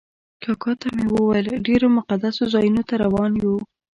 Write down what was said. کاکا ته مې وویل ډېرو مقدسو ځایونو ته روان یو.